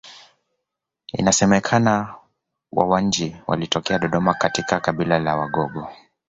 Inasemekana Wawanji walitokea Dodoma katika kabila la Wagogo